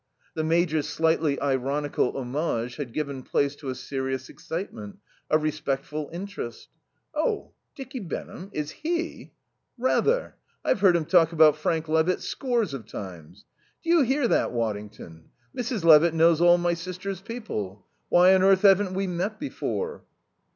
The Major's slightly ironical homage had given place to a serious excitement, a respectful interest. "Oh Dicky Benham is he ?" "Rather. I've heard him talk about Frank Levitt scores of times. Do you hear that, Waddington? Mrs. Levitt knows all my sister's people. Why on earth haven't we met before?"